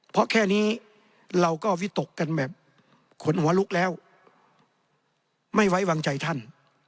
เพราะแค่นี้เราก็วิตกกันแบบขนหัวลุกแล้วไม่ไว้วางใจท่าน